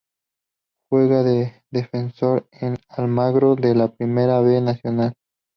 Juega de Defensor en Almagro de la Primera B Nacional.